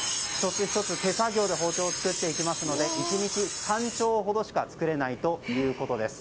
手作業で包丁を作っていくので１日３丁ほどしか作れないということです。